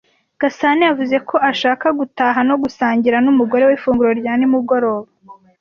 Gasana yavuze ko ashaka gutaha no gusangira n'umugore we ifunguro rya nimugoroba.